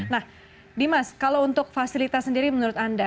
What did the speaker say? nah dimas kalau untuk fasilitas sendiri menurut anda